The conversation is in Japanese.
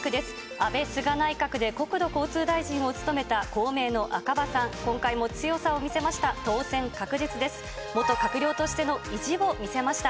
安倍・菅内閣で国土交通大臣を務めた、公明の赤羽さん、今回も強さを見せました。